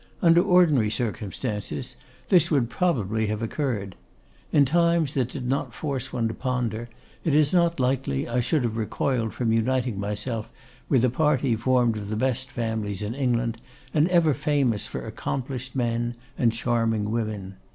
Under ordinary circumstances this would probably have occurred. In times that did not force one to ponder, it is not likely I should have recoiled from uniting myself with a party formed of the best families in England, and ever famous for accomplished men and charming women.